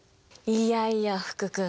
いやいや福君。